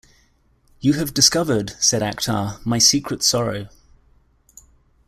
"You have discovered," said Akhtar, "my secret sorrow."